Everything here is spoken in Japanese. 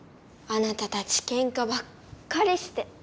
あなたたちけんかばっかりして。